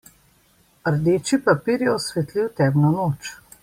Rdeči papir je osvetlil temno noč.